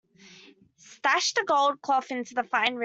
Slash the gold cloth into fine ribbons.